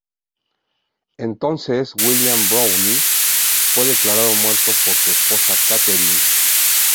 Entonces William Browne fue declarado muerto por su esposa Catherine.